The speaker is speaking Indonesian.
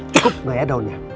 cukup nggak ya daunnya